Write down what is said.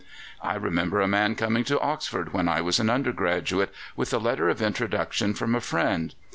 I remember a man coming to Oxford when I was an undergraduate with a letter of introduction from a friend.